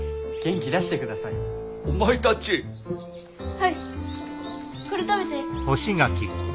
はいこれ食べて。